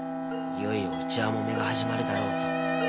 いよいよ内輪もめが始まるだろうと。